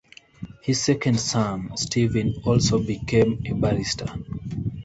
His second son Stephen also became a barrister.